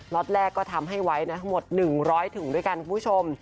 ็อตแรกก็ทำให้ไว้นะทั้งหมด๑๐๐ถุงด้วยกันคุณผู้ชม